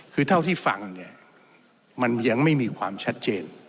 คือเท่าที่ฟังเนี่ยมันยังไม่มีความชัดเจน